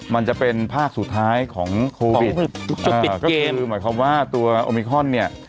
มันจะเป็นภาคสุดท้ายของโควิดจุดติดเกมคือหมายความว่าตัวโอมิคอนเนี่ย